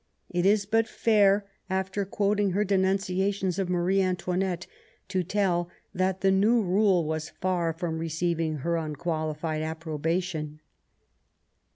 It is but fair, after quoting her denunciations of Marie Antoinette, to tell that the new rule was far from receiving her unqualified approbation.